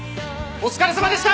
お疲れさまでした！